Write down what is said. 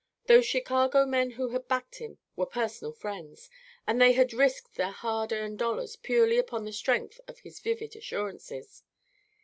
Those Chicago men who had backed him were personal friends, and they had risked their hard earned dollars purely upon the strength of his vivid assurances.